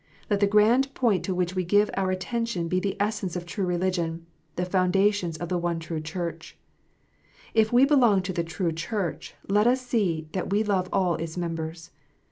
Let the grand point to which we give our attention be the essence of true religion, the foundations of the one true Church. If we belong to the true Church, let us see that we love all its members.